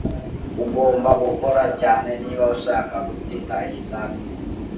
Uzagomba gukora cyane niba ushaka gutsinda ikizamini